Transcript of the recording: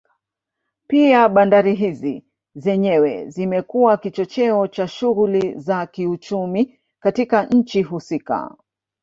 Pia bandari hizi zenyewe zimekuwa kichocheo cha shughuli za kiuchumi katika nchi husika